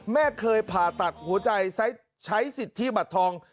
แม่เคยผ่าตัดหัวใจใช้สิทธิบัตรทอง